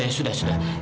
ya sudah ya sudah